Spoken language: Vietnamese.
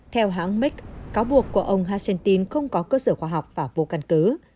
theo hãng mec cáo buộc của ông hachetin không có cơ sở khoa học và vô căn cứ